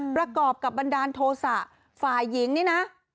ประกอบกับบันดาลโทษะฝ่ายหญิงนี่นะ